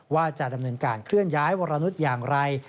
ว่าจะดำเนินการเคลื่อนย้ายวรนุษย์อย่างไร